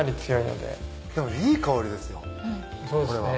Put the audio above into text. でもいい香りですよこれは。